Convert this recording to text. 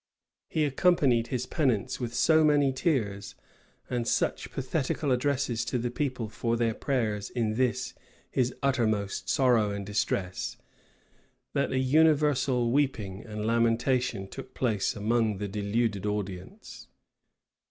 He accompanied his penance with so many tears, and such pathetical addresses to the people for their prayers in this his uttermost sorrow and distress, that a universal weeping and lamentation took place among the deluded audience.